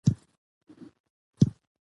ساکني قیدونه کله ناکله خپلواکه مانا نه لري.